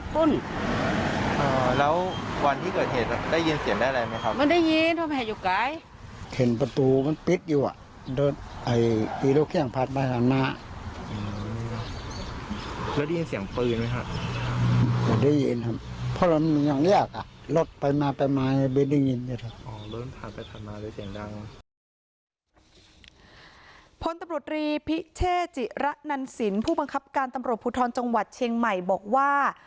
พลตำรวจรีพิเชษจิระนันสินผู้บังคับการตำรวจภูทรจังหวัดเชียงใหม่บอกว่า